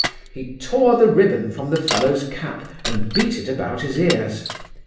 He tore the ribbon from the fellow's cap, and beat it about his ears.